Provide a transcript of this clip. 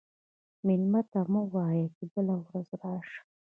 مېلمه ته مه وایه چې بله ورځ راشه.